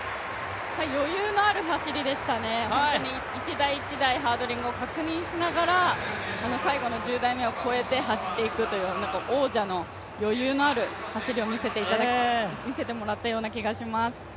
余裕のある走りでしたね、１台１台ハードリングを確認しながら最後の１０台目を越えて走っていくという、王者の余裕のある走りを見せてもらったと思います。